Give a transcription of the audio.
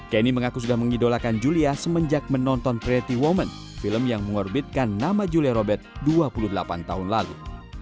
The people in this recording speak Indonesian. kenny mengaku sudah mengidolakan julia semenjak menonton pretty woman film yang mengorbitkan nama julia robert dua puluh delapan tahun lalu